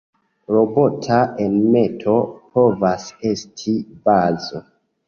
Robota enmeto povas esti bazo.